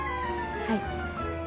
はい。